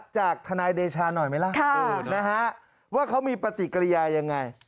จากทนายเดชาหน่อยไหมล่ะว่าเขามีปฏิกิริยายังไง